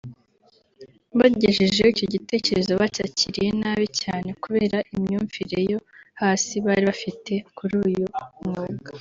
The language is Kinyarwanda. Mbagejejeho icyo gitekerezo bacyakiriye nabi cyane kubera imyumvire yo hasi bari bafite kuri uyu mwuga